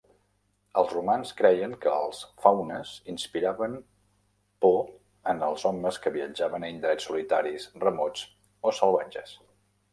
Els romans creien que els faunes inspiraven por en els homes que viatjaven a indrets solitaris, remots o salvatges.